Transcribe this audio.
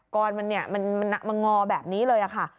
อนมันเนี่ยมันมางอแบบนี้เลยค่ะ